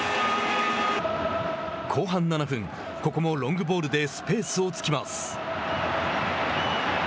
後半７分ここもロングボールでスペースを突きます。